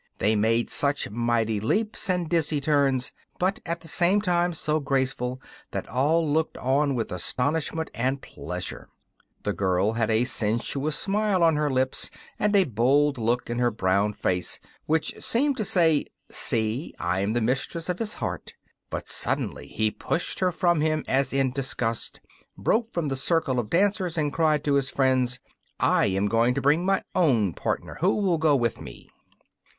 They made such mighty leaps and dizzy turns, but at the same time so graceful, that all looked on with astonishment and pleasure. The girl had a sensuous smile on her lips and a bold look in her brown face, which seemed to say: 'See! I am the mistress of his heart!' But suddenly he pushed her from him as in disgust, broke from the circle of dancers, and cried to his friends: 'I am going to bring my own partner. Who will go with me?